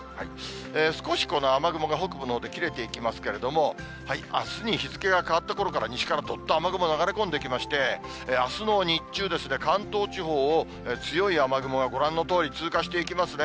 少しこの雨雲が北部のほうで切れていきますけれども、あすに日付が変わったころから西からどっと雨雲が流れ込んできまして、あすの日中ですね、関東地方を強い雨雲がご覧のとおり通過していきますね。